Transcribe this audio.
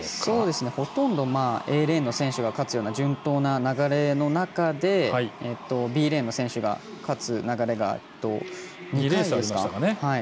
ほとんどＡレーンの選手が勝つような順当な流れの中でＢレーンの選手が勝つ流れが２回ありましたかね。